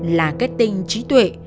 là cái tinh trí tuệ